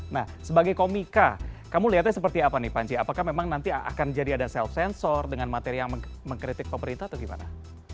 nah sebagai komika kamu lihatnya seperti apa nih panci apakah memang nanti akan jadi ada self sensor dengan materi yang mengkritik pemerintah atau gimana